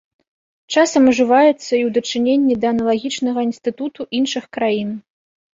Часам ўжываецца і ў дачыненні да аналагічнага інстытуту іншых краін.